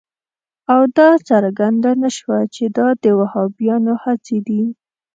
او دا څرګنده نه شوه چې دا د وهابیانو هڅې دي.